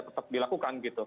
tetap dilakukan gitu